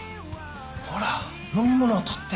ほら飲み物取って。